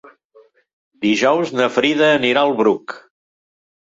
Dijous na Frida anirà al Bruc.